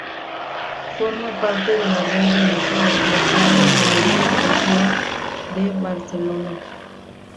Forma parte de la Red de Museos Locales de la Diputación de Barcelona.